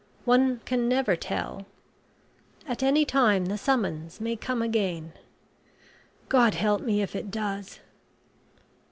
One can never tell; at any time the summons may come again. God help me if it does."